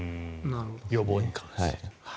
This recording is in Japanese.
予防に関して。